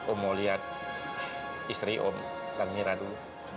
om mau lihat istri om kang mira dulu